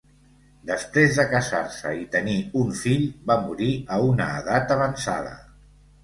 Després de casar-se i tenir un fill, va morir a una edat avançada.